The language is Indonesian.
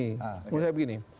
menurut saya begini